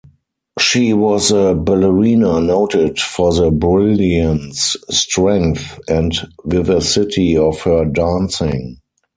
She was a ballerina noted for the brilliance, strength, and vivacity of her dancing.